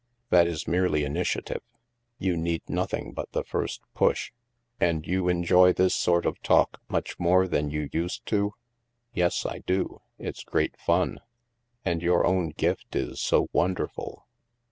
"That is merely initiative. You need nothing but the first push. And you enjoy this sort of talk much more than you used to ?"" Yes, I do. It's great fun." " And your own gift is so wonderful."